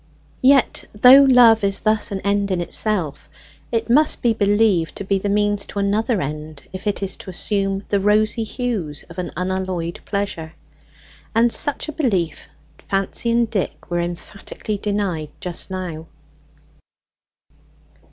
Yet, though love is thus an end in itself, it must be believed to be the means to another end if it is to assume the rosy hues of an unalloyed pleasure. And such a belief Fancy and Dick were emphatically denied just now.